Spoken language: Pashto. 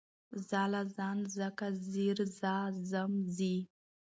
ځاله، ځان، ځکه، ځير، ځه، ځم، ځي